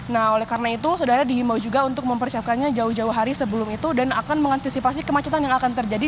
nah oleh karena itu saudara dihimbau juga untuk mempersiapkannya jauh jauh hari sebelum itu dan akan mengantisipasi kemacetan yang akan terjadi